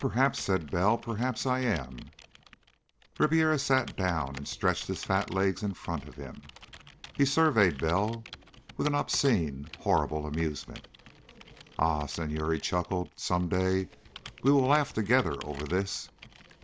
"Perhaps," said Bell. "Perhaps I am." Ribiera sat down and stretched his fat legs in front of him. He surveyed Bell with an obscene, horrible amusement. "Ah, Senhor," he chuckled, "some day we will laugh together over this!